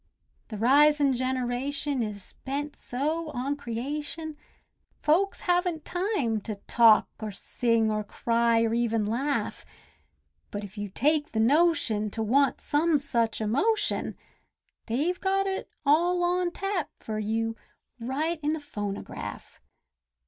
The risin' generation is bent so on creation, Folks haven't time to talk or sing or cry or even laugh. But if you take the notion to want some such emotion, They've got it all on tap fur you, right in the phonograph.